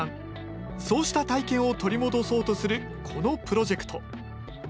そうした体験を取り戻そうとするこのプロジェクト。